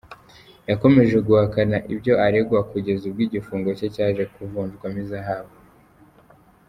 Yakomeje guhakana ibyo aregwa, kugeza ubwo igifungo cye cyaje kuvunjwamo ihazabu.